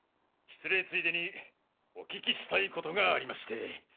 失礼ついでにお聞きしたいことがありまして。